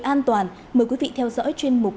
an toàn mời quý vị theo dõi chuyên mục